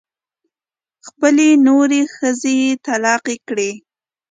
خپلې نورې ښځې طلاقې کړې.